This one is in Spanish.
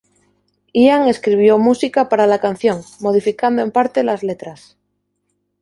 Ian escribió música para la canción, modificando en parte las letras.